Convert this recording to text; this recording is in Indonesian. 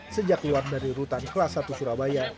sejak keluar dari rutan kelas satu surabaya